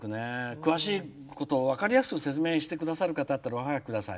詳しいこと、分かりやすく説明してくださる方がいたらおはがきください。